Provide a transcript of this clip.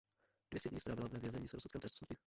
Dvě stě dní strávila ve vězení s rozsudkem trestu smrti.